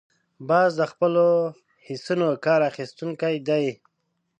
باز د خپلو حسونو کار اخیستونکی دی